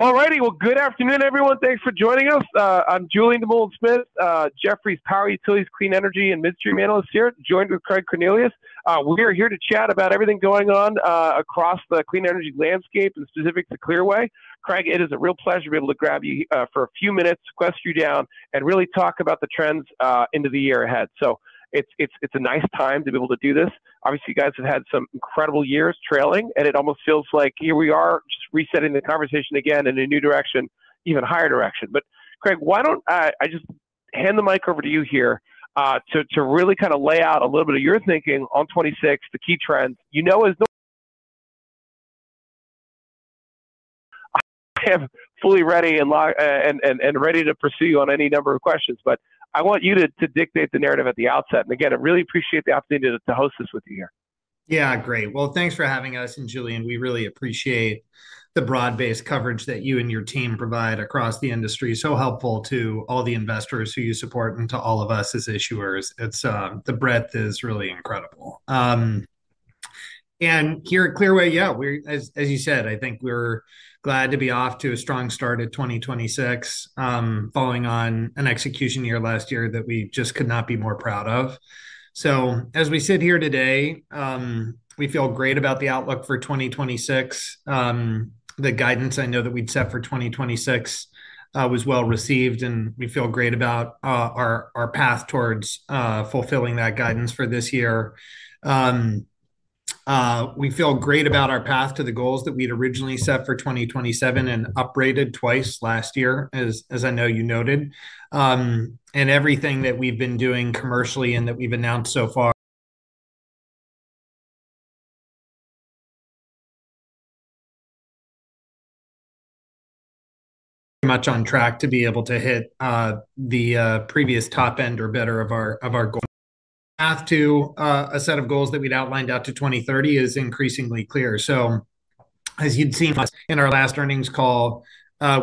All righty. Well, good afternoon, everyone. Thanks for joining us. I'm Julien Dumoulin-Smith, Jefferies Power Utilities Clean Energy and Midstream Analyst here, joined with Craig Cornelius. We are here to chat about everything going on across the clean energy landscape and specific to Clearway. Craig, it is a real pleasure to be able to grab you for a few minutes, pin you down, and really talk about the trends into the year ahead. So it's a nice time to be able to do this. Obviously, you guys have had some incredible years trailing, and it almost feels like here we are just resetting the conversation again in a new direction, even higher direction. But Craig, why don't I just hand the mic over to you here to really kinda lay out a little bit of your thinking on 2026, the key trends. You know, as I am fully ready and ready to pursue you on any number of questions, but I want you to dictate the narrative at the outset. And again, I really appreciate the opportunity to host this with you here. Yeah. Great. Well, thanks for having us, Julien. We really appreciate the broad-based coverage that you and your team provide across the industry. So helpful to all the investors who you support and to all of us as issuers. It's the breadth is really incredible. And here at Clearway, yeah, we're, as you said, I think we're glad to be off to a strong start at 2026, following on an execution year last year that we just could not be more proud of. So as we sit here today, we feel great about the outlook for 2026. The guidance I know that we'd set for 2026 was well received, and we feel great about our path towards fulfilling that guidance for this year. We feel great about our path to the goals that we'd originally set for 2027 and uprated twice last year, as, as I know you noted. Everything that we've been doing commercially and that we've announced so far much on track to be able to hit the previous top end or better of our goal. Path to a set of goals that we'd outlined out to 2030 is increasingly clear. So as you'd seen in our last earnings call,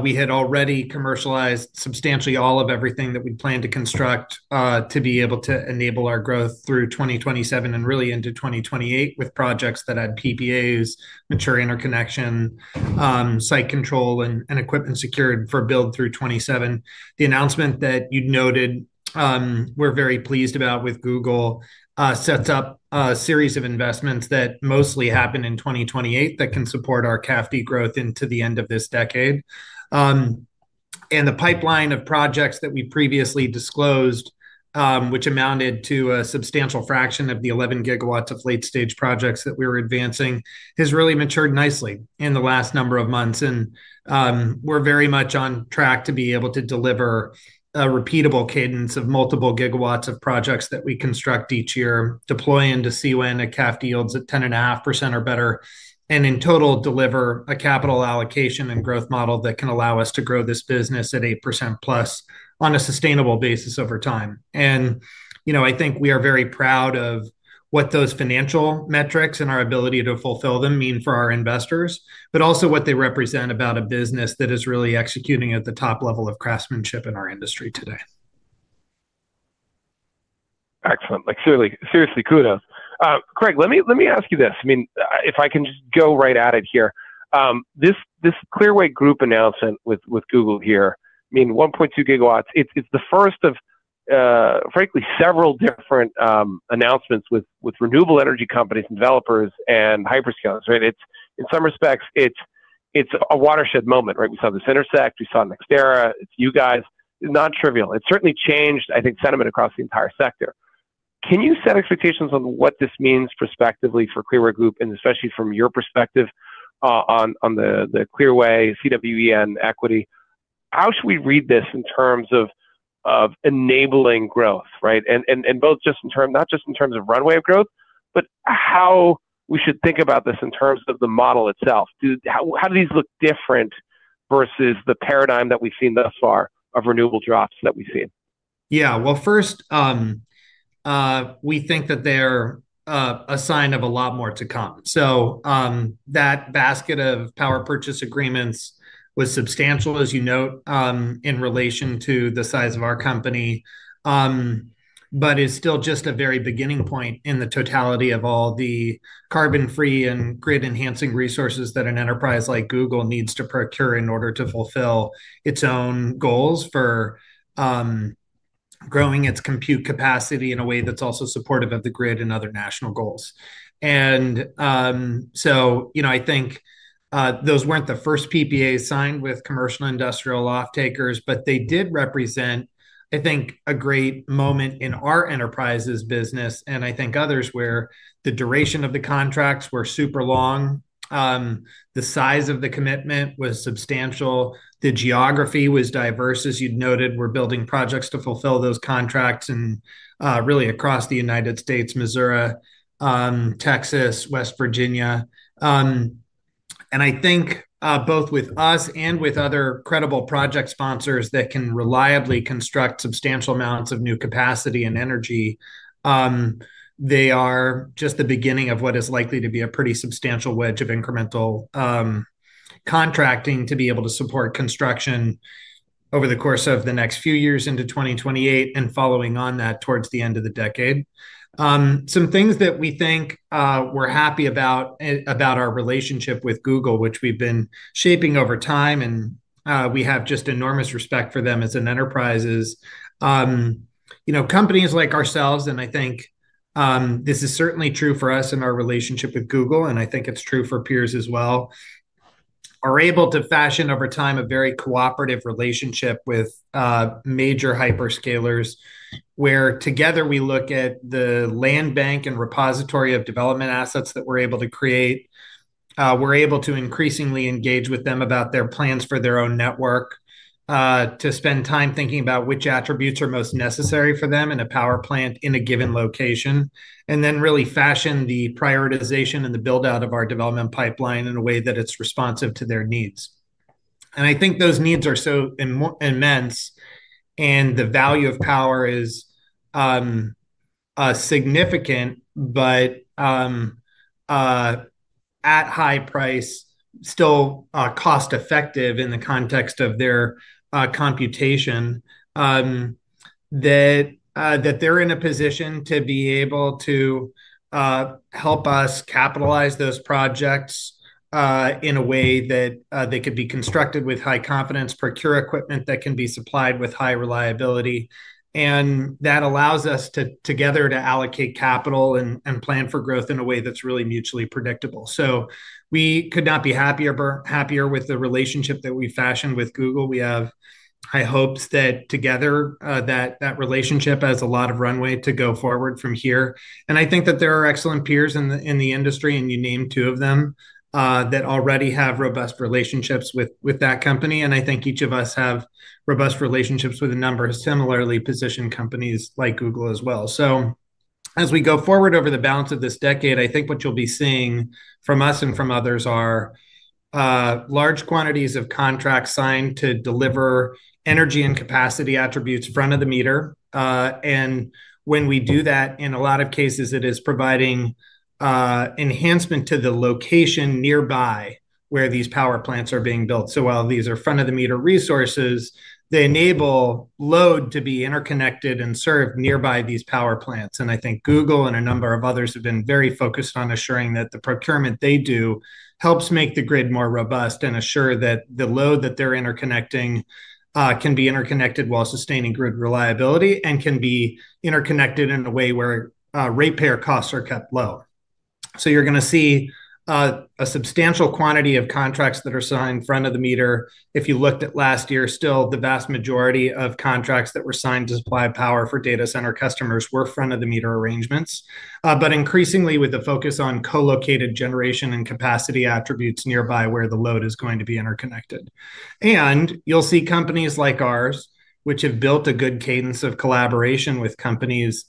we had already commercialized substantially all of everything that we'd planned to construct to be able to enable our growth through 2027 and really into 2028 with projects that had PPAs, mature interconnection, site control, and, and equipment secured for build through 2027. The announcement that you'd noted, we're very pleased about with Google, sets up a series of investments that mostly happen in 2028 that can support our CAFD growth into the end of this decade. And the pipeline of projects that we previously disclosed, which amounted to a substantial fraction of the 11 GW of late-stage projects that we were advancing, has really matured nicely in the last number of months. And, we're very much on track to be able to deliver a repeatable cadence of multiple GW of projects that we construct each year, deploy into CWEN, a CAFD yields at 10.5% or better, and in total deliver a capital allocation and growth model that can allow us to grow this business at 8%+ on a sustainable basis over time. You know, I think we are very proud of what those financial metrics and our ability to fulfill them mean for our investors, but also what they represent about a business that is really executing at the top level of craftsmanship in our industry today. Excellent. Like, seriously, kudos. Craig, let me, let me ask you this. I mean, if I can just go right at it here, this, this Clearway Group announcement with, with Google here, I mean, 1.2 GW, it's, it's the first of, frankly, several different, announcements with, with renewable energy companies and developers and hyperscalers, right? It's, in some respects, it's, it's a watershed moment, right? We saw this Intersect. We saw NextEra. It's you guys. It's not trivial. It certainly changed, I think, sentiment across the entire sector. Can you set expectations on what this means prospectively for Clearway Group and especially from your perspective, on, on the, the Clearway CWEN equity? How should we read this in terms of, of enabling growth, right? both just in terms not just in terms of runway of growth, but how we should think about this in terms of the model itself. How do these look different versus the paradigm that we've seen thus far of renewable dropdowns that we've seen? Yeah. Well, first, we think that they're a sign of a lot more to come. So, that basket of power purchase agreements was substantial, as you note, in relation to the size of our company, but is still just a very beginning point in the totality of all the carbon-free and grid-enhancing resources that an enterprise like Google needs to procure in order to fulfill its own goals for growing its compute capacity in a way that's also supportive of the grid and other national goals. And, so, you know, I think, those weren't the first PPAs signed with commercial industrial off-takers, but they did represent, I think, a great moment in our enterprise's business and I think others where the duration of the contracts were super long. The size of the commitment was substantial. The geography was diverse, as you'd noted. We're building projects to fulfill those contracts in, really across the United States, Missouri, Texas, West Virginia, and I think, both with us and with other credible project sponsors that can reliably construct substantial amounts of new capacity and energy. They are just the beginning of what is likely to be a pretty substantial wedge of incremental contracting to be able to support construction over the course of the next few years into 2028 and following on that towards the end of the decade. Some things that we think, we're happy about, about our relationship with Google, which we've been shaping over time, and we have just enormous respect for them as an enterprise. You know, companies like ourselves, and I think this is certainly true for us in our relationship with Google, and I think it's true for peers as well, are able to fashion over time a very cooperative relationship with major hyperscalers where together we look at the land bank and repository of development assets that we're able to create. We're able to increasingly engage with them about their plans for their own network, to spend time thinking about which attributes are most necessary for them in a power plant in a given location, and then really fashion the prioritization and the build-out of our development pipeline in a way that it's responsive to their needs. I think those needs are so immense, and the value of power is significant, but at high price, still cost-effective in the context of their computation, that they're in a position to be able to help us capitalize those projects in a way that they could be constructed with high confidence, procure equipment that can be supplied with high reliability, and that allows us to together allocate capital and plan for growth in a way that's really mutually predictable. So we could not be happier with the relationship that we've fashioned with Google. We have high hopes that together that relationship has a lot of runway to go forward from here. I think that there are excellent peers in the industry, and you named two of them, that already have robust relationships with that company. I think each of us have robust relationships with a number of similarly positioned companies like Google as well. So as we go forward over the balance of this decade, I think what you'll be seeing from us and from others are large quantities of contracts signed to deliver energy and capacity attributes front-of-the-meter. And when we do that, in a lot of cases, it is providing enhancement to the location nearby where these power plants are being built. So while these are front-of-the-meter resources, they enable load to be interconnected and served nearby these power plants. I think Google and a number of others have been very focused on assuring that the procurement they do helps make the grid more robust and assure that the load that they're interconnecting can be interconnected while sustaining grid reliability and can be interconnected in a way where ratepayer costs are kept low. You're gonna see a substantial quantity of contracts that are signed front-of-the-meter. If you looked at last year, still the vast majority of contracts that were signed to supply power for data center customers were front-of-the-meter arrangements, but increasingly with a focus on co-located generation and capacity attributes nearby where the load is going to be interconnected. You'll see companies like ours, which have built a good cadence of collaboration with companies,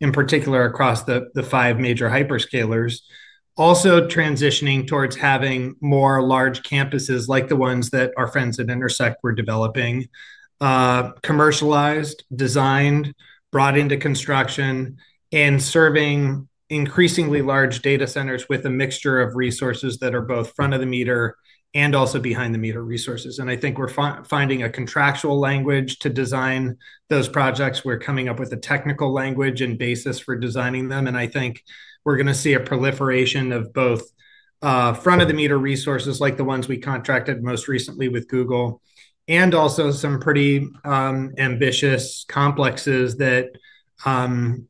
in particular across the five major hyperscalers, also transitioning towards having more large campuses like the ones that our friends at Intersect were developing, commercialized, designed, brought into construction, and serving increasingly large data centers with a mixture of resources that are both front-of-the-meter and also behind-the-meter resources. I think we're finding a contractual language to design those projects. We're coming up with a technical language and basis for designing them. I think we're gonna see a proliferation of both front-of-the-meter resources like the ones we contracted most recently with Google and also some pretty ambitious complexes that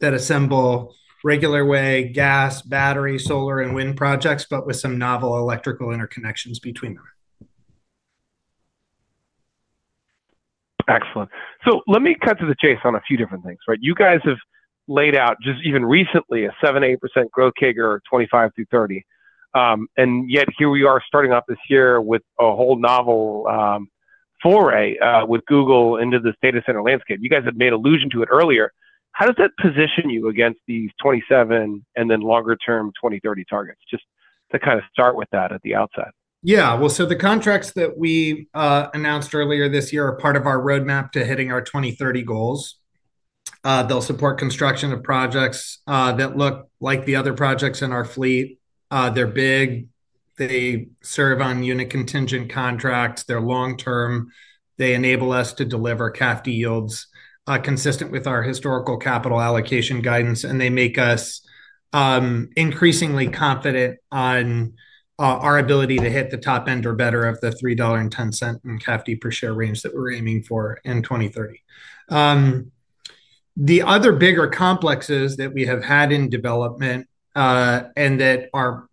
assemble regular way gas, battery, solar, and wind projects, but with some novel electrical interconnections between them. Excellent. So let me cut to the chase on a few different things, right? You guys have laid out just even recently a 7%-8% growth CAGR of 25-30. And yet here we are starting off this year with a whole novel, foray, with Google into this data center landscape. You guys have made allusion to it earlier. How does that position you against these 27 and then longer-term 2030 targets? Just to kinda start with that at the outset. Yeah. Well, so the contracts that we announced earlier this year are part of our roadmap to hitting our 2030 goals. They'll support construction of projects that look like the other projects in our fleet. They're big. They serve on unit contingent contracts. They're long-term. They enable us to deliver CAFD yields consistent with our historical capital allocation guidance, and they make us increasingly confident on our ability to hit the top end or better of the $3.10 in CAFD per share range that we're aiming for in 2030. The other bigger complexes that we have had in development, and that are,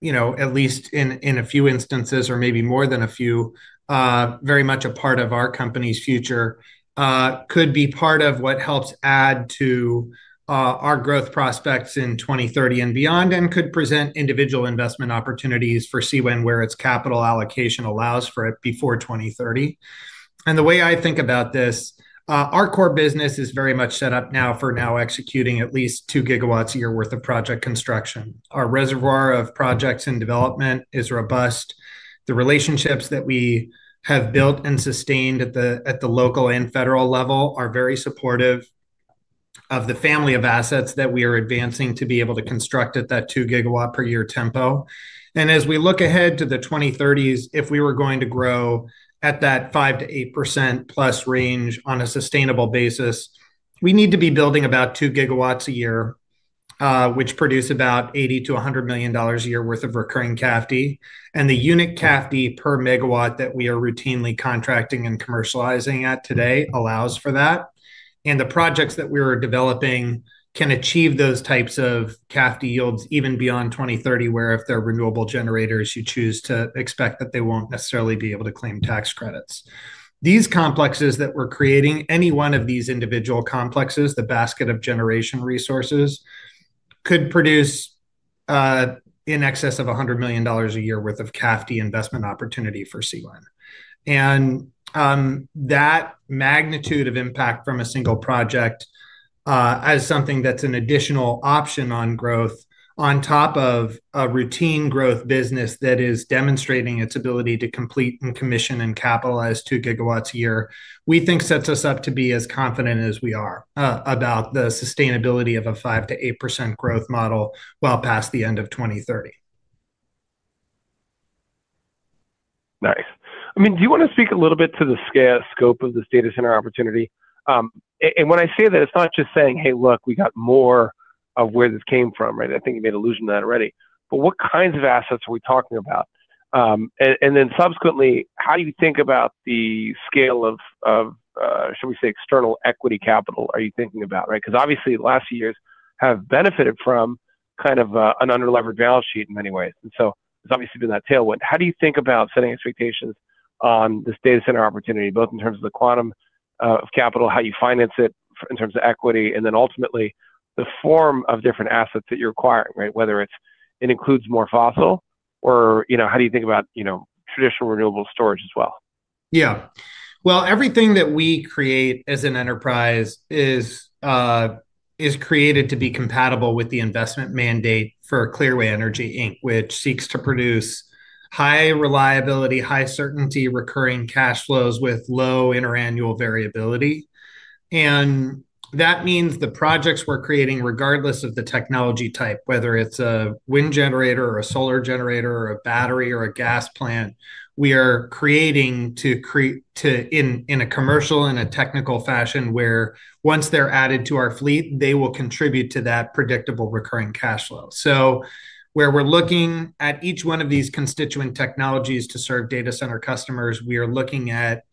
you know, at least in a few instances or maybe more than a few, very much a part of our company's future, could be part of what helps add to our growth prospects in 2030 and beyond and could present individual investment opportunities for CWEN where its capital allocation allows for it before 2030. The way I think about this, our core business is very much set up now for executing at least 2 GW a year worth of project construction. Our reservoir of projects in development is robust. The relationships that we have built and sustained at the local and federal level are very supportive of the family of assets that we are advancing to be able to construct at that 2 GW per year tempo. As we look ahead to the 2030s, if we were going to grow at that 5%-8%+ range on a sustainable basis, we need to be building about 2 GW a year, which produce about $80 million-$100 million a year worth of recurring CAFD. The unit CAFD per MW that we are routinely contracting and commercializing at today allows for that. The projects that we are developing can achieve those types of CAFD yields even beyond 2030 where if they're renewable generators, you choose to expect that they won't necessarily be able to claim tax credits. These complexes that we're creating, any one of these individual complexes, the basket of generation resources, could produce in excess of $100 million a year worth of CAFD investment opportunity for CWEN. That magnitude of impact from a single project, as something that's an additional option on growth on top of a routine growth business that is demonstrating its ability to complete and commission and capitalize 2 GW a year, we think sets us up to be as confident as we are, about the sustainability of a 5%-8% growth model well past the end of 2030. Nice. I mean, do you wanna speak a little bit to the scale scope of this data center opportunity? And when I say that, it's not just saying, "Hey, look, we got more of where this came from," right? I think you made allusion to that already. But what kinds of assets are we talking about? And then subsequently, how do you think about the scale of, shall we say, external equity capital are you thinking about, right? 'Cause obviously the last few years have benefited from kind of, an underleveraged balance sheet in many ways. And so it's obviously been that tailwind. How do you think about setting expectations on this data center opportunity, both in terms of the quantum, of capital, how you finance it in terms of equity, and then ultimately the form of different assets that you're acquiring, right? Whether it includes more fossil or, you know, how do you think about, you know, traditional renewable storage as well? Yeah. Well, everything that we create as an enterprise is created to be compatible with the investment mandate for Clearway Energy, Inc., which seeks to produce high reliability, high certainty, recurring cash flows with low interannual variability. And that means the projects we're creating, regardless of the technology type, whether it's a wind generator or a solar generator or a battery or a gas plant, we are creating in a commercial and a technical fashion where once they're added to our fleet, they will contribute to that predictable recurring cash flow. So where we're looking at each one of these constituent technologies to serve data center customers, we are looking at,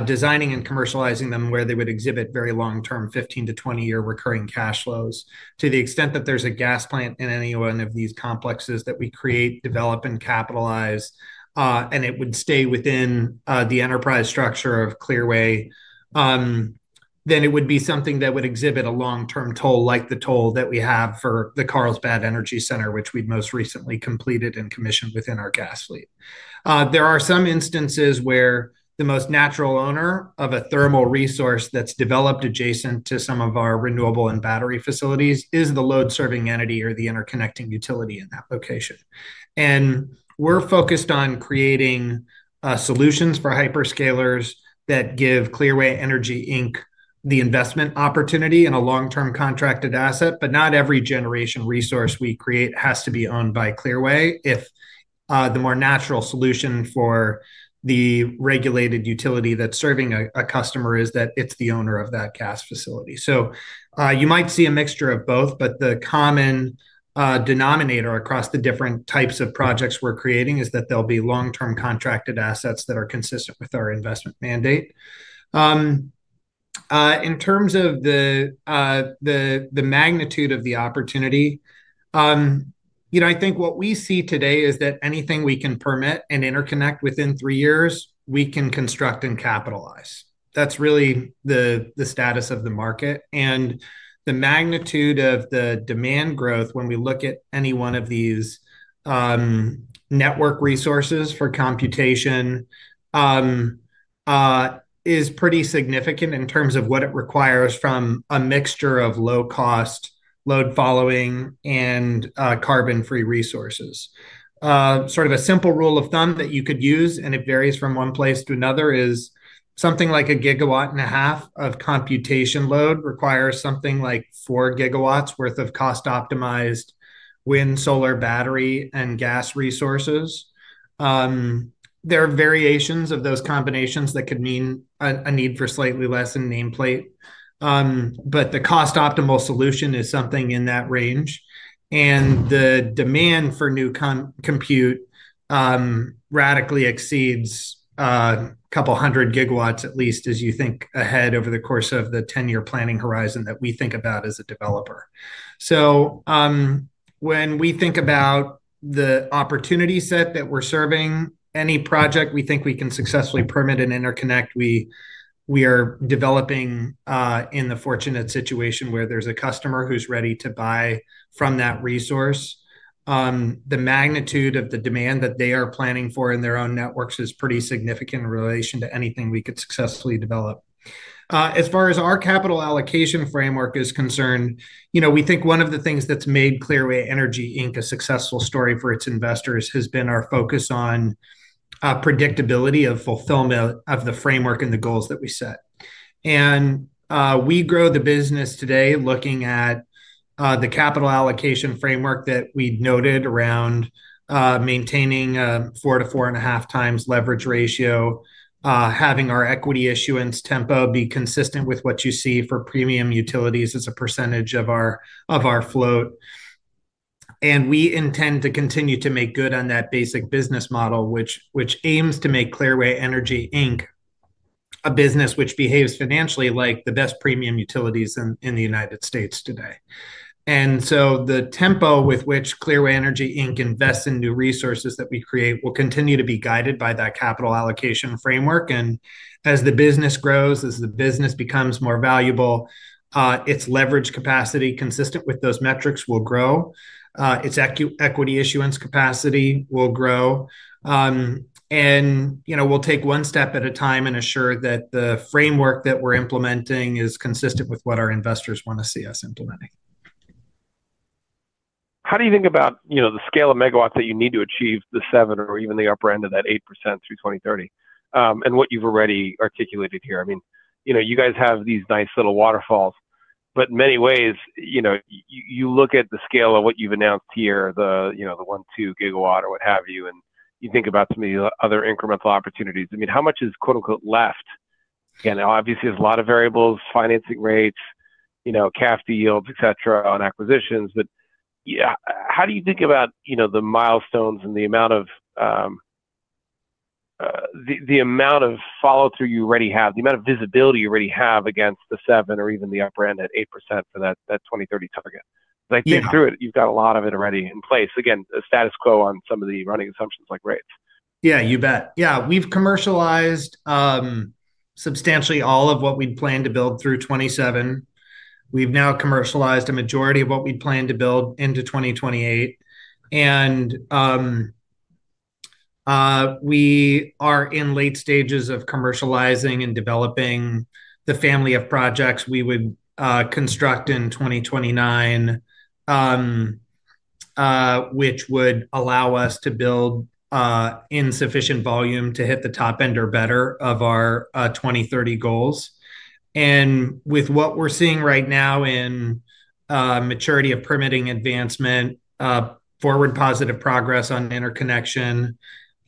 designing and commercializing them where they would exhibit very long-term 15-20-year recurring cash flows to the extent that there's a gas plant in any one of these complexes that we create, develop, and capitalize, and it would stay within, the enterprise structure of Clearway, then it would be something that would exhibit a long-term toll like the toll that we have for the Carlsbad Energy Center, which we've most recently completed and commissioned within our gas fleet. There are some instances where the most natural owner of a thermal resource that's developed adjacent to some of our renewable and battery facilities is the load-serving entity or the interconnecting utility in that location. And we're focused on creating, solutions for hyperscalers that give Clearway Energy Inc. The investment opportunity and a long-term contracted asset, but not every generation resource we create has to be owned by Clearway if the more natural solution for the regulated utility that's serving a customer is that it's the owner of that gas facility. So, you might see a mixture of both, but the common denominator across the different types of projects we're creating is that there'll be long-term contracted assets that are consistent with our investment mandate. In terms of the magnitude of the opportunity, you know, I think what we see today is that anything we can permit and interconnect within three years, we can construct and capitalize. That's really the status of the market. The magnitude of the demand growth when we look at any one of these, network resources for computation, is pretty significant in terms of what it requires from a mixture of low-cost load following and carbon-free resources. Sort of a simple rule of thumb that you could use and it varies from one place to another is something like 1.5 GW of computation load requires something like 4 GW worth of cost-optimized wind, solar, battery, and gas resources. There are variations of those combinations that could mean a need for slightly less in nameplate. But the cost-optimal solution is something in that range. The demand for new compute radically exceeds 200 GW at least as you think ahead over the course of the 10-year planning horizon that we think about as a developer. So, when we think about the opportunity set that we're serving, any project we think we can successfully permit and interconnect, we, we are developing, in the fortunate situation where there's a customer who's ready to buy from that resource. The magnitude of the demand that they are planning for in their own networks is pretty significant in relation to anything we could successfully develop. As far as our capital allocation framework is concerned, you know, we think one of the things that's made Clearway Energy, Inc. a successful story for its investors has been our focus on predictability of fulfillment of the framework and the goals that we set. We grow the business today looking at the capital allocation framework that we noted around maintaining a 4-4.5x leverage ratio, having our equity issuance tempo be consistent with what you see for premium utilities as a percentage of our float. We intend to continue to make good on that basic business model, which aims to make Clearway Energy Inc. a business which behaves financially like the best premium utilities in the United States today. And so the tempo with which Clearway Energy Inc. invests in new resources that we create will continue to be guided by that capital allocation framework. As the business grows, as the business becomes more valuable, its leverage capacity consistent with those metrics will grow. Its equity issuance capacity will grow. You know, we'll take one step at a time and assure that the framework that we're implementing is consistent with what our investors wanna see us implementing. How do you think about, you know, the scale of MWs that you need to achieve the seven or even the upper end of that 8% through 2030? And what you've already articulated here. I mean, you know, you guys have these nice little waterfalls, but in many ways, you know, you look at the scale of what you've announced here, the, you know, the 1.2 GW or what have you, and you think about some of the other incremental opportunities. I mean, how much is "left"? And obviously there's a lot of variables, financing rates, you know, CAFD yields, et cetera, on acquisitions. But yeah, how do you think about, you know, the milestones and the amount of follow-through you already have, the amount of visibility you already have against the 7% or even the upper end at 8% for that 2030 target? 'Cause I think through it, you've got a lot of it already in place. Again, the status quo on some of the running assumptions like rates. Yeah, you bet. Yeah. We've commercialized substantially all of what we'd planned to build through 2027. We've now commercialized a majority of what we'd planned to build into 2028. And, we are in late stages of commercializing and developing the family of projects we would construct in 2029, which would allow us to build in sufficient volume to hit the top end or better of our 2030 goals. And with what we're seeing right now in maturity of permitting advancement, forward positive progress on interconnection,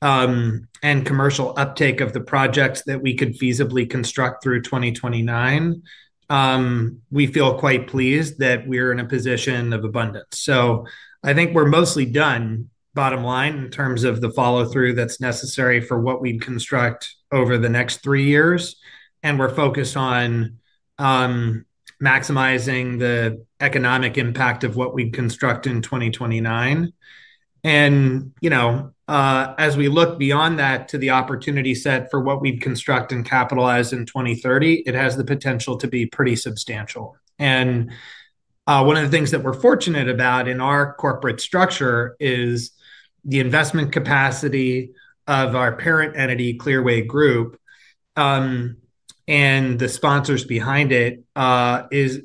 and commercial uptake of the projects that we could feasibly construct through 2029, we feel quite pleased that we are in a position of abundance. So I think we're mostly done, bottom line, in terms of the follow-through that's necessary for what we'd construct over the next three years. And we're focused on maximizing the economic impact of what we'd construct in 2029. You know, as we look beyond that to the opportunity set for what we'd construct and capitalize in 2030, it has the potential to be pretty substantial. One of the things that we're fortunate about in our corporate structure is the investment capacity of our parent entity, Clearway Group, and the sponsors behind it is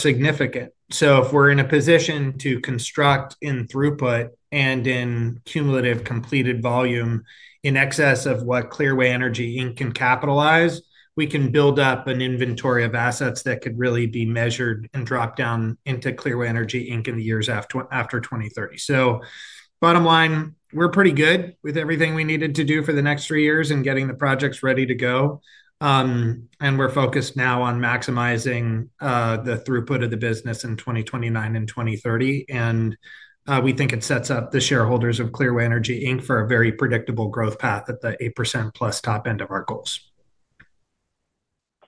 significant. So if we're in a position to construct in throughput and in cumulative completed volume in excess of what Clearway Energy Inc. can capitalize, we can build up an inventory of assets that could really be measured and dropped down into Clearway Energy Inc. in the years after 2030. So bottom line, we're pretty good with everything we needed to do for the next three years in getting the projects ready to go, and we're focused now on maximizing the throughput of the business in 2029 and 2030. We think it sets up the shareholders of Clearway Energy, Inc. for a very predictable growth path at the 8%+ top end of our goals.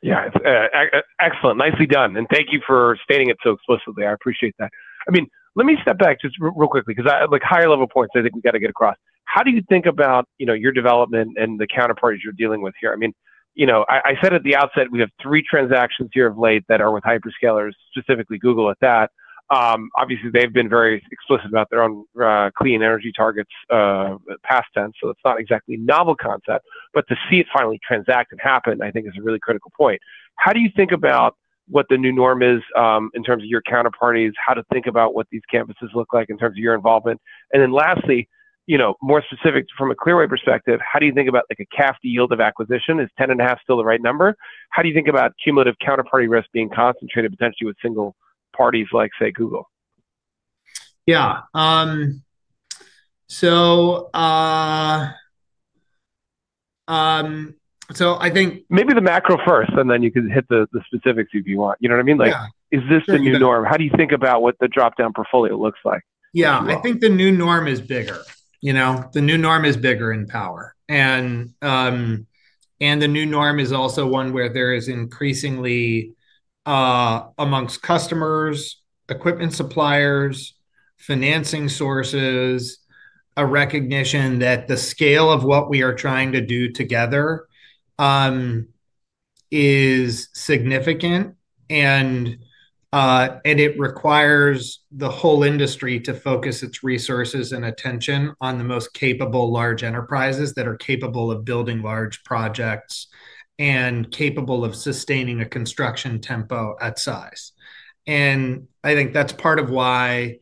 Yeah. It's excellent. Nicely done. And thank you for stating it so explicitly. I appreciate that. I mean, let me step back just real quickly 'cause I like higher level points. I think we gotta get across. How do you think about, you know, your development and the counterparties you're dealing with here? I mean, you know, I said at the outset we have three transactions here of late that are with hyperscalers, specifically Google at that. Obviously they've been very explicit about their own clean energy targets, past tense. So it's not exactly a novel concept, but to see it finally transact and happen, I think is a really critical point. How do you think about what the new norm is, in terms of your counterparties, how to think about what these canvases look like in terms of your involvement? And then lastly, you know, more specific from a Clearway perspective, how do you think about like a CAFD yield of acquisition? Is 10.5 still the right number? How do you think about cumulative counterparty risk being concentrated potentially with single parties like, say, Google? Yeah. So I think. Maybe the macro first, and then you could hit the specifics if you want. You know what I mean? Like, is this the new norm? How do you think about what the drop-down portfolio looks like? Yeah. I think the new norm is bigger. You know, the new norm is bigger in power. And the new norm is also one where there is increasingly, amongst customers, equipment suppliers, financing sources, a recognition that the scale of what we are trying to do together is significant. And it requires the whole industry to focus its resources and attention on the most capable large enterprises that are capable of building large projects and capable of sustaining a construction tempo at size. And I think that's part of why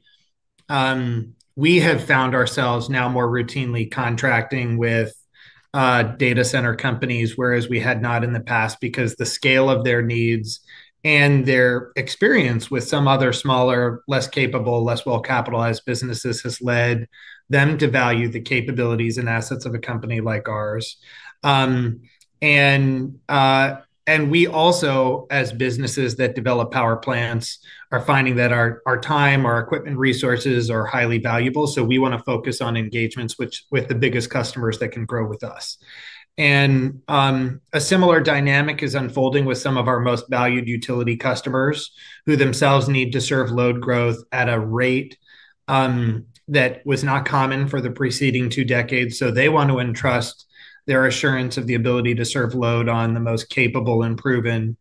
we have found ourselves now more routinely contracting with data center companies, whereas we had not in the past because the scale of their needs and their experience with some other smaller, less capable, less well-capitalized businesses has led them to value the capabilities and assets of a company like ours. We also, as businesses that develop power plants, are finding that our time and equipment resources are highly valuable. So we wanna focus on engagements with the biggest customers that can grow with us. A similar dynamic is unfolding with some of our most valued utility customers who themselves need to serve load growth at a rate that was not common for the preceding two decades. So they wanna entrust their assurance of the ability to serve load on the most capable and proven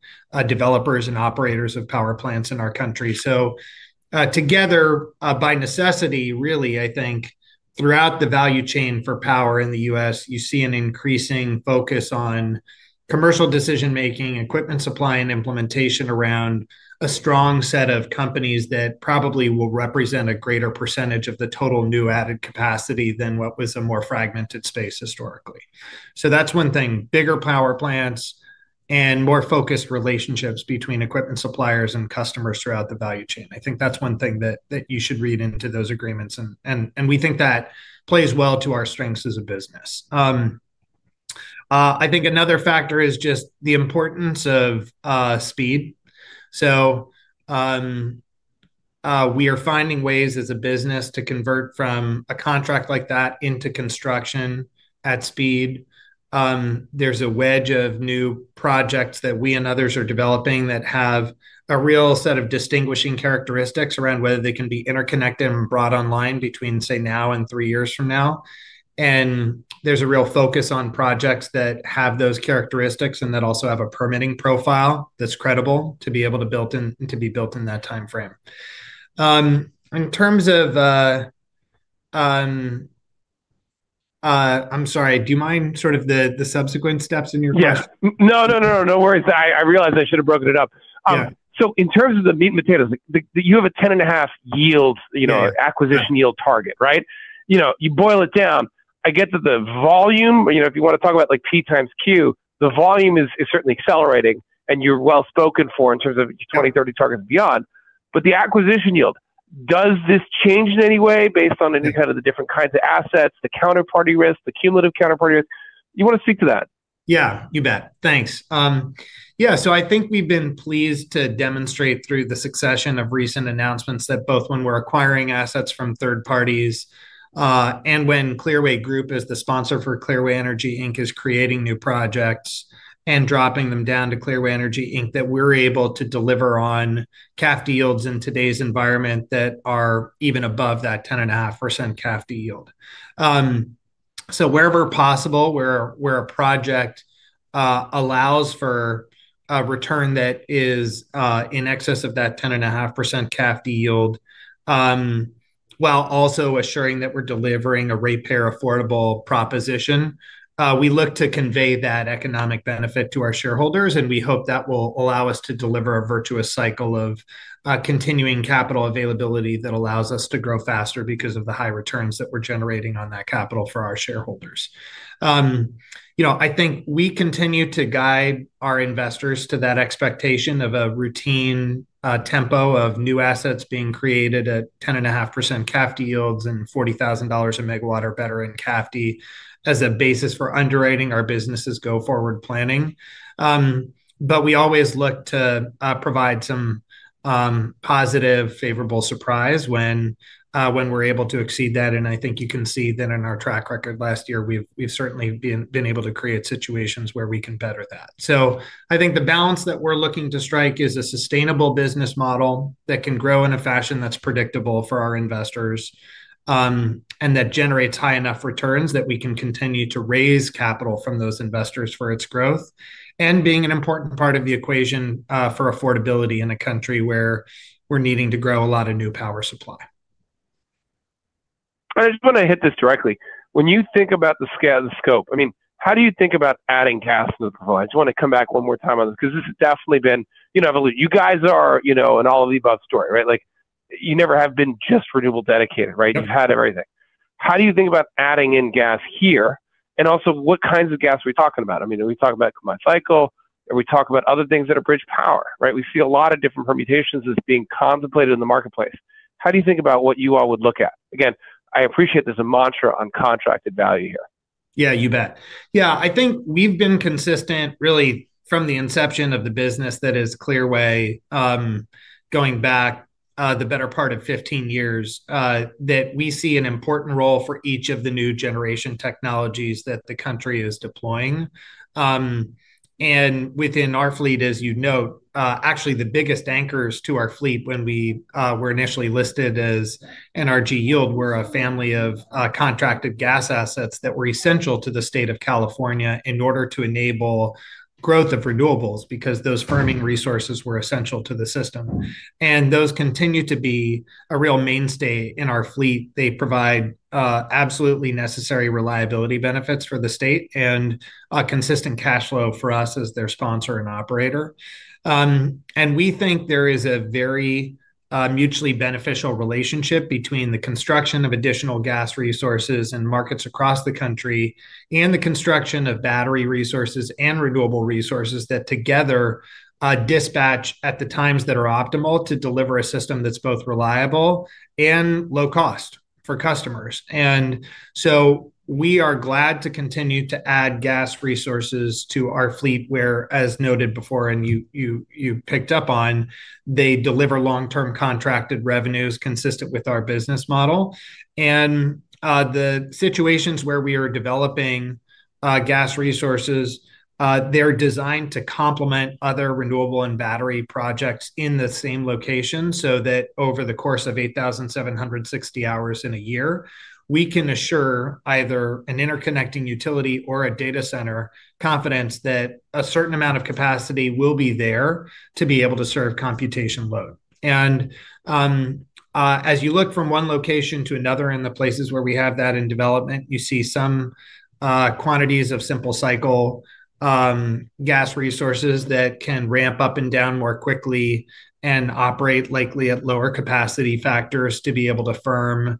developers and operators of power plants in our country. So, together, by necessity, really, I think throughout the value chain for power in the US, you see an increasing focus on commercial decision-making, equipment supply, and implementation around a strong set of companies that probably will represent a greater percentage of the total new added capacity than what was a more fragmented space historically. So that's one thing. Bigger power plants and more focused relationships between equipment suppliers and customers throughout the value chain. I think that's one thing that you should read into those agreements. And we think that plays well to our strengths as a business. I think another factor is just the importance of speed. So, we are finding ways as a business to convert from a contract like that into construction at speed. There's a wedge of new projects that we and others are developing that have a real set of distinguishing characteristics around whether they can be interconnected and brought online between, say, now and 3 years from now. There's a real focus on projects that have those characteristics and that also have a permitting profile that's credible to be built in that timeframe. In terms of, I'm sorry, do you mind sort of the subsequent steps in your question? Yeah. No, no, no, no, no worries. I, I realized I should have broken it up. Yeah. So in terms of the meat and potatoes, like, you have a 10.5 yield, you know. Yeah. Acquisition yield target, right? You know, you boil it down. I get that the volume, you know, if you wanna talk about like P times Q, the volume is, is certainly accelerating and you're well spoken for in terms of 2030 targets and beyond. But the acquisition yield, does this change in any way based on any kind of the different kinds of assets, the counterparty risk, the cumulative counterparty risk? You wanna speak to that. Yeah. You bet. Thanks. Yeah. So I think we've been pleased to demonstrate through the succession of recent announcements that both when we're acquiring assets from third parties, and when Clearway Group is the sponsor for Clearway Energy, Inc. is creating new projects and dropping them down to Clearway Energy, Inc., that we're able to deliver on CAFD yields in today's environment that are even above that 10.5% CAFD yield. So wherever possible, where a project allows for a return that is in excess of that 10.5% CAFD yield, while also assuring that we're delivering a ratepayer affordable proposition, we look to convey that economic benefit to our shareholders. We hope that will allow us to deliver a virtuous cycle of continuing capital availability that allows us to grow faster because of the high returns that we're generating on that capital for our shareholders. You know, I think we continue to guide our investors to that expectation of a routine tempo of new assets being created at 10.5% CAFD yields and $40,000 a MW or better in CAFD as a basis for underwriting our business's go forward planning. But we always look to provide some positive, favorable surprise when we're able to exceed that. And I think you can see that in our track record last year; we've certainly been able to create situations where we can better that. I think the balance that we're looking to strike is a sustainable business model that can grow in a fashion that's predictable for our investors, and that generates high enough returns that we can continue to raise capital from those investors for its growth and being an important part of the equation, for affordability in a country where we're needing to grow a lot of new power supply. I just wanna hit this directly. When you think about the scale and scope, I mean, how do you think about adding gas to the portfolio? I just wanna come back one more time on this 'cause this has definitely been, you know, I've alluded, you guys are, you know, an all of the above story, right? Like you never have been just renewable dedicated, right? Mm-hmm. You've had everything. How do you think about adding in gas here and also what kinds of gas are we talking about? I mean, are we talking about combined cycle? Are we talking about other things that are bridge power, right? We see a lot of different permutations as being contemplated in the marketplace. How do you think about what you all would look at? Again, I appreciate there's a mantra on contracted value here. Yeah, you bet. Yeah. I think we've been consistent really from the inception of the business that is Clearway, going back the better part of 15 years, that we see an important role for each of the new generation technologies that the country is deploying. Within our fleet, as you note, actually the biggest anchors to our fleet when we were initially listed as NRG Yield were a family of contracted gas assets that were essential to the state of California in order to enable growth of renewables because those firming resources were essential to the system. Those continue to be a real mainstay in our fleet. They provide absolutely necessary reliability benefits for the state and a consistent cash flow for us as their sponsor and operator. We think there is a very mutually beneficial relationship between the construction of additional gas resources and markets across the country and the construction of battery resources and renewable resources that together dispatch at the times that are optimal to deliver a system that's both reliable and low cost for customers. So we are glad to continue to add gas resources to our fleet where, as noted before and you picked up on, they deliver long-term contracted revenues consistent with our business model. The situations where we are developing gas resources, they're designed to complement other renewable and battery projects in the same location so that over the course of 8,760 hours in a year, we can assure either an interconnecting utility or a data center confidence that a certain amount of capacity will be there to be able to serve computation load. As you look from one location to another and the places where we have that in development, you see some quantities of simple cycle gas resources that can ramp up and down more quickly and operate likely at lower capacity factors to be able to firm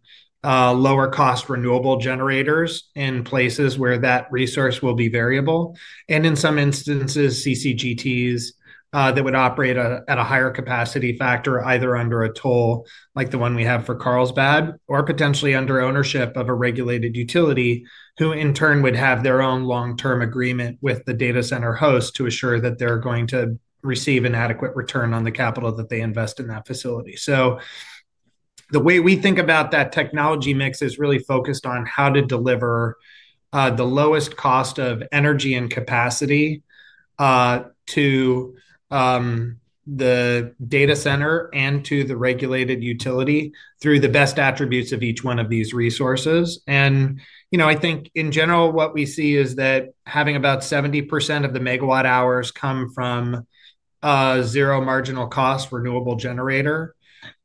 lower cost renewable generators in places where that resource will be variable. And in some instances, CCGTs that would operate at a higher capacity factor either under a toll like the one we have for Carlsbad or potentially under ownership of a regulated utility who in turn would have their own long-term agreement with the data center host to assure that they're going to receive an adequate return on the capital that they invest in that facility. So the way we think about that technology mix is really focused on how to deliver the lowest cost of energy and capacity to the data center and to the regulated utility through the best attributes of each one of these resources. And, you know, I think in general what we see is that having about 70% of the MW hours come from a zero marginal cost renewable generator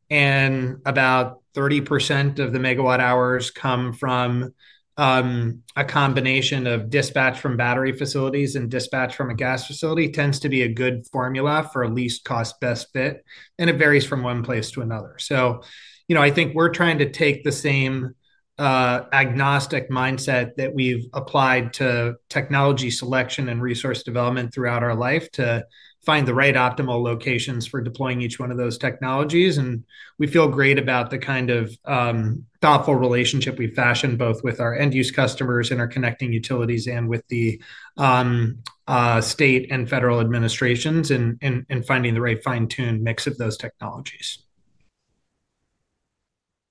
and about 30% of the MW hours come from a combination of dispatch from battery facilities and dispatch from a gas facility tends to be a good formula for a least cost best fit. And it varies from one place to another. So, you know, I think we're trying to take the same agnostic mindset that we've applied to technology selection and resource development throughout our life to find the right optimal locations for deploying each one of those technologies. We feel great about the kind of thoughtful relationship we've fashioned both with our end-use customers and our connecting utilities and with the state and federal administrations in finding the right fine-tuned mix of those technologies.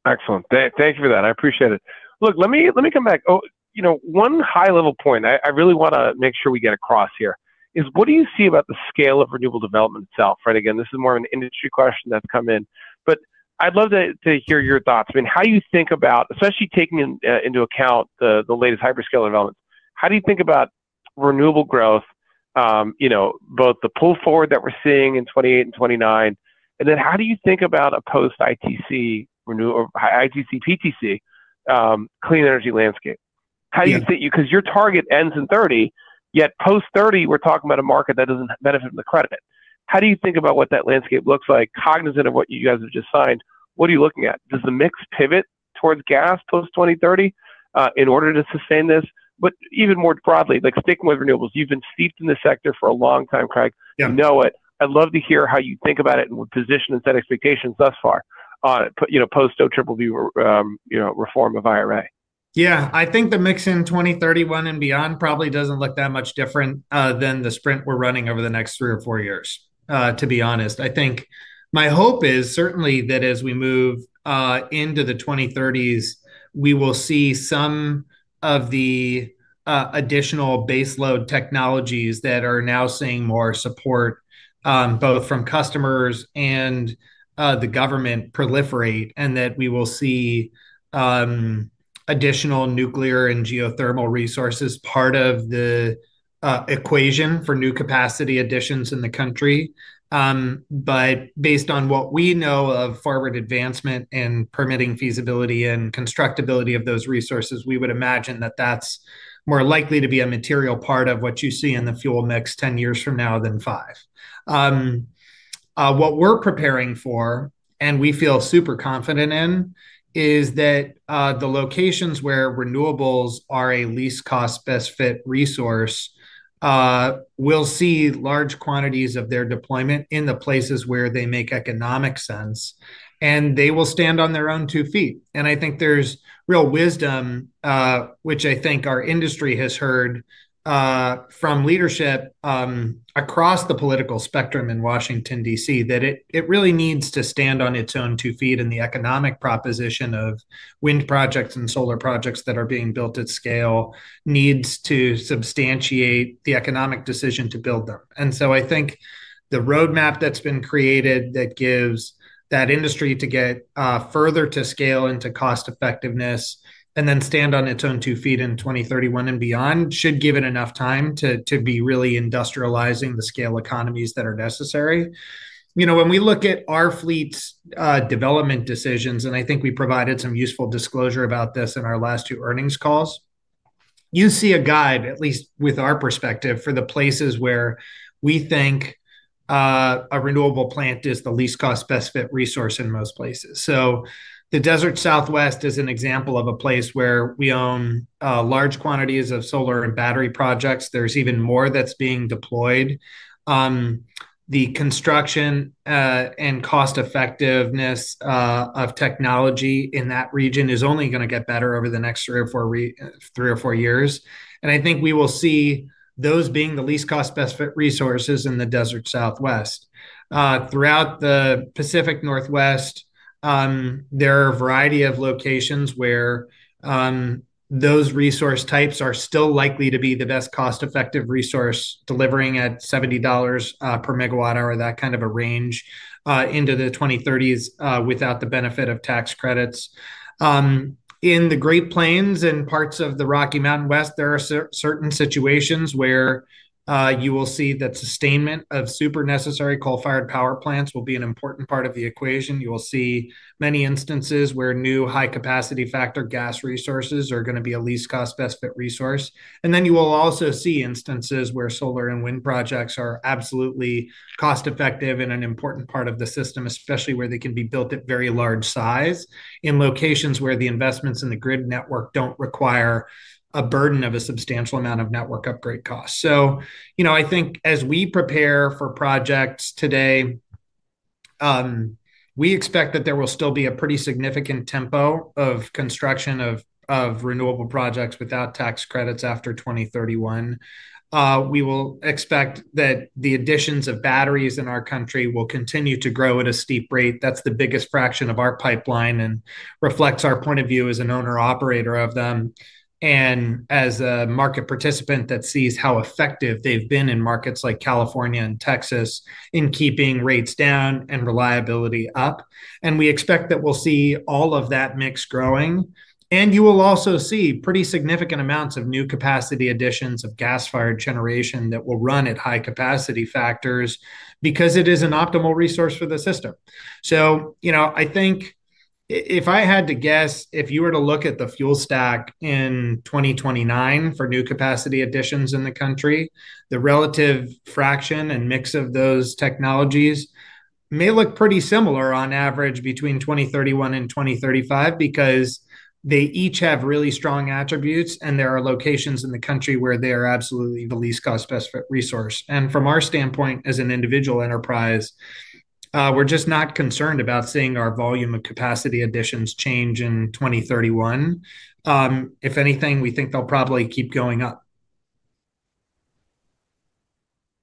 Excellent. Thank you for that. I appreciate it. Look, let me come back. Oh, you know, one high-level point I really wanna make sure we get across here is what do you see about the scale of renewable development itself? Right? Again, this is more of an industry question that's come in, but I'd love to hear your thoughts. I mean, how you think about, especially taking into account the latest hyperscale developments, how do you think about renewable growth, you know, both the pull forward that we're seeing in 2028 and 2029? And then how do you think about a post-ITC renew or ITC PTC, clean energy landscape? How do you think, 'cause your target ends in 2030, yet post 2030 we're talking about a market that doesn't benefit from the credit. How do you think about what that landscape looks like, cognizant of what you guys have just signed? What are you looking at? Does the mix pivot towards gas post-2030, in order to sustain this? But even more broadly, like sticking with renewables, you've been steeped in the sector for a long time, Craig. Yeah. You know it. I'd love to hear how you think about it and position and set expectations thus far on, you know, post-O Triple V, you know, reform of IRA. Yeah. I think the mix in 2031 and beyond probably doesn't look that much different than the sprint we're running over the next three or four years, to be honest. I think my hope is certainly that as we move into the 2030s, we will see some of the additional baseload technologies that are now seeing more support, both from customers and the government proliferate and that we will see additional nuclear and geothermal resources part of the equation for new capacity additions in the country. But based on what we know of forward advancement and permitting feasibility and constructability of those resources, we would imagine that that's more likely to be a material part of what you see in the fuel mix 10 years from now than 5. What we're preparing for and we feel super confident in is that, the locations where renewables are a least cost best fit resource, will see large quantities of their deployment in the places where they make economic sense and they will stand on their own two feet. And I think there's real wisdom, which I think our industry has heard, from leadership, across the political spectrum in Washington, D.C., that it, it really needs to stand on its own two feet and the economic proposition of wind projects and solar projects that are being built at scale needs to substantiate the economic decision to build them. And so I think the roadmap that's been created that gives that industry to get further to scale into cost effectiveness and then stand on its own two feet in 2031 and beyond should give it enough time to be really industrializing the scale economies that are necessary. You know, when we look at our fleet's development decisions, and I think we provided some useful disclosure about this in our last two earnings calls, you see a guide, at least with our perspective, for the places where we think a renewable plant is the least cost best fit resource in most places. So the Desert Southwest is an example of a place where we own large quantities of solar and battery projects. There's even more that's being deployed. The construction, and cost effectiveness, of technology in that region is only gonna get better over the next three or four years. And I think we will see those being the least cost best fit resources in the Desert Southwest. Throughout the Pacific Northwest, there are a variety of locations where, those resource types are still likely to be the best cost effective resource delivering at $70 per MW hour, that kind of a range, into the 2030s, without the benefit of tax credits. In the Great Plains and parts of the Rocky Mountain West, there are certain situations where, you will see that sustainment of super necessary coal-fired power plants will be an important part of the equation. You will see many instances where new high capacity factor gas resources are gonna be a least cost best fit resource. And then you will also see instances where solar and wind projects are absolutely cost effective and an important part of the system, especially where they can be built at very large size in locations where the investments in the grid network don't require a burden of a substantial amount of network upgrade costs. So, you know, I think as we prepare for projects today, we expect that there will still be a pretty significant tempo of construction of renewable projects without tax credits after 2031. We will expect that the additions of batteries in our country will continue to grow at a steep rate. That's the biggest fraction of our pipeline and reflects our point of view as an owner operator of them. And as a market participant that sees how effective they've been in markets like California and Texas in keeping rates down and reliability up. We expect that we'll see all of that mix growing. You will also see pretty significant amounts of new capacity additions of gas-fired generation that will run at high capacity factors because it is an optimal resource for the system. So, you know, I think if I had to guess, if you were to look at the fuel stack in 2029 for new capacity additions in the country, the relative fraction and mix of those technologies may look pretty similar on average between 2031 and 2035 because they each have really strong attributes and there are locations in the country where they are absolutely the least cost best fit resource. From our standpoint as an individual enterprise, we're just not concerned about seeing our volume of capacity additions change in 2031. If anything, we think they'll probably keep going up.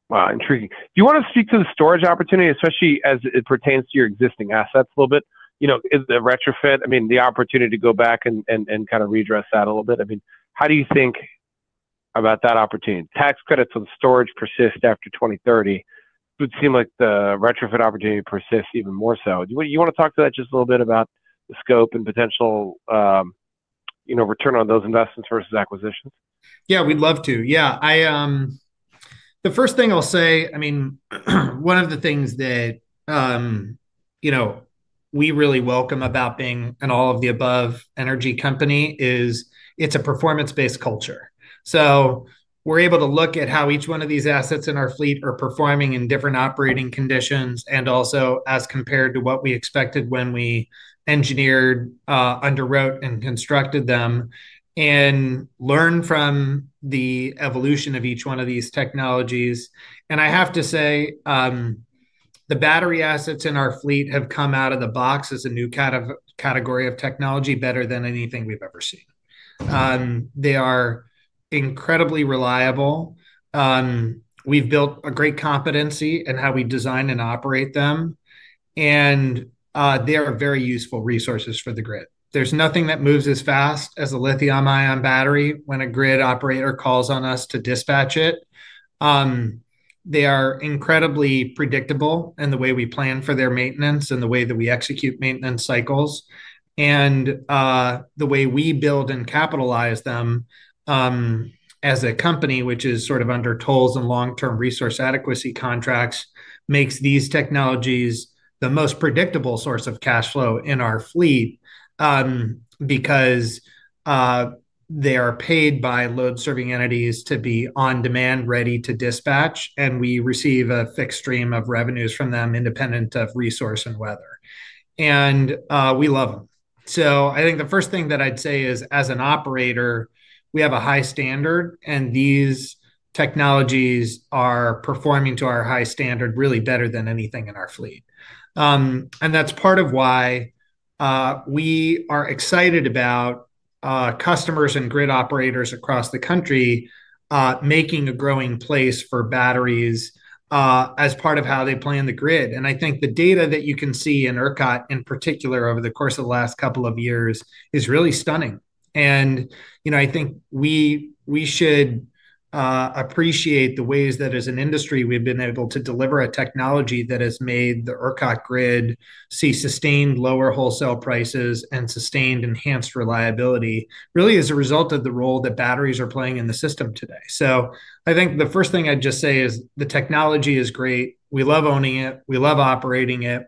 Wow, intriguing. Do you wanna speak to the storage opportunity, especially as it pertains to your existing assets a little bit? You know, is the retrofit, I mean, the opportunity to go back and kind of redress that a little bit? I mean, how do you think about that opportunity? Tax credits on storage persist after 2030. It would seem like the retrofit opportunity persists even more so. Do you wanna talk to that just a little bit about the scope and potential, you know, return on those investments versus acquisitions? Yeah, we'd love to. Yeah. I, the first thing I'll say, I mean, one of the things that, you know, we really welcome about being an all-of-the-above energy company is it's a performance-based culture. So we're able to look at how each one of these assets in our fleet are performing in different operating conditions and also as compared to what we expected when we engineered, underwrote and constructed them and learn from the evolution of each one of these technologies. And I have to say, the battery assets in our fleet have come out of the box as a new kind of category of technology better than anything we've ever seen. They are incredibly reliable. We've built a great competency in how we design and operate them. And, they are very useful resources for the grid. There's nothing that moves as fast as a lithium-ion battery when a grid operator calls on us to dispatch it. They are incredibly predictable in the way we plan for their maintenance and the way that we execute maintenance cycles. The way we build and capitalize them, as a company, which is sort of under tolls and long-term resource adequacy contracts, makes these technologies the most predictable source of cash flow in our fleet, because they are paid by load-serving entities to be on demand, ready to dispatch, and we receive a fixed stream of revenues from them independent of resource and weather. We love them. So I think the first thing that I'd say is as an operator, we have a high standard and these technologies are performing to our high standard really better than anything in our fleet. That's part of why we are excited about customers and grid operators across the country making a growing place for batteries as part of how they plan the grid. I think the data that you can see in ERCOT in particular over the course of the last couple of years is really stunning. You know, I think we should appreciate the ways that as an industry we've been able to deliver a technology that has made the ERCOT grid see sustained lower wholesale prices and sustained enhanced reliability really as a result of the role that batteries are playing in the system today. I think the first thing I'd just say is the technology is great. We love owning it. We love operating it.